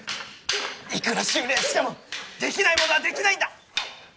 いくら修練してもできないものはできないんだ！